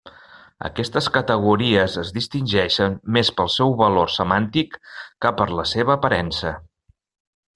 Aquestes categories es distingeixen més pel seu valor semàntic que per la seva aparença.